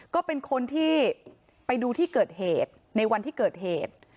ก็เป็นคนที่ไปดูที่เกิดเหตุในวันที่เกิดเหตุ